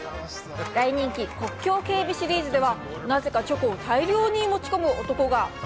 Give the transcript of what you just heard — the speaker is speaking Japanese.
大人気国境警備シリーズでは、なぜかチョコを大量に持ち込む男が！